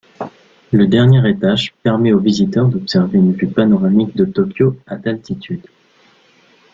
Le dernier étage permet au visiteur d'observer une vue panoramique de Tokyo à d'altitude.